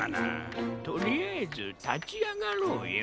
とりあえずたちあがろうよ。